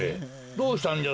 どうしたんじゃ？